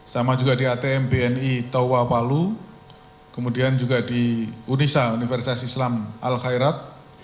sama juga di atm bni tawapalu kemudian juga di unisa universitas islam al khairat